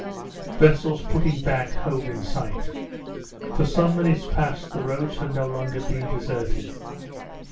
Vessels putting back hove in sight. For some minutes past the roads had no longer been deserted.